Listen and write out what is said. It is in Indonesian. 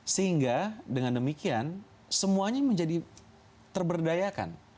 sehingga dengan demikian semuanya menjadi terberdayakan